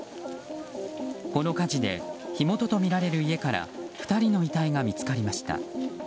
この火事で火元とみられる家から２人の遺体が見つかりました。